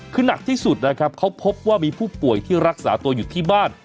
คือหนักที่สุดนะครับเขาพบว่ามีผู้ป่วยที่รักษาตัวอยู่ที่บ้าน